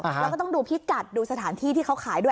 แล้วก็ต้องดูพิกัดดูสถานที่ที่เขาขายด้วย